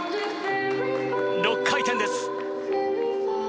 ６回転です！